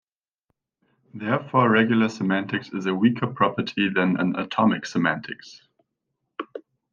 Therefore, regular semantics is a weaker property than an atomic semantics.